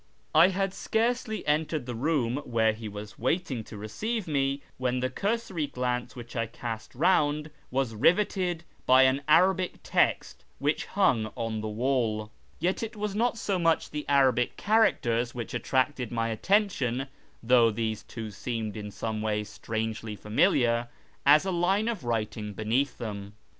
I had scarcely entered the room where he was waiting to receive me, when the cursory glance which I cast round was rivetted by an Arabic text which hung on the wall. Yet it was not so much the Arabic characters which attracted my attention (though these too seemed in some way strangely familiar), as a line of writing beneath them.